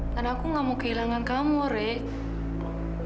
dan aku nggak mau kehilangan kamu rik